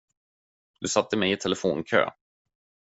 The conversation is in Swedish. De satte mig i telefonkö.